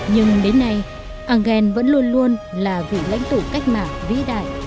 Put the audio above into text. nhưng đến nay engel vẫn luôn luôn là vị lãnh tụ cách mạng vĩ đại